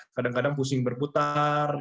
kadang kadang pusing berputar